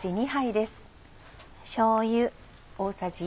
しょうゆ。